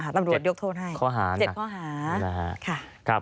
ตำรวจยกโทษให้๗ข้อหานะครับ๗ข้อหา